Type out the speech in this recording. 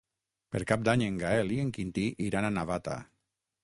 Per Cap d'Any en Gaël i en Quintí iran a Navata.